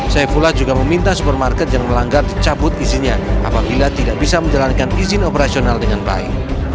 saifullah juga meminta supermarket yang melanggar dicabut izinnya apabila tidak bisa menjalankan izin operasional dengan baik